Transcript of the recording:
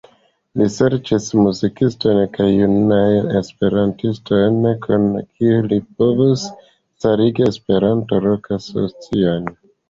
Li serĉis muzikistojn kaj junajn Esperantistojn, kun kiuj li povus starigi Esperanto-rokasocion.